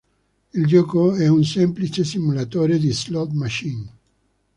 Il gioco è un semplice simulatore di slot machine.